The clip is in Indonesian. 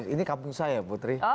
ini kampung saya putri